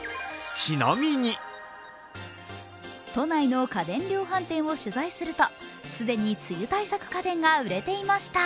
都内の家電量販店を取材すると、既に梅雨対策家電が売れていました。